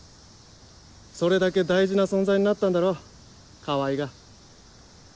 それだけ大事な存在になったんだろ川合が。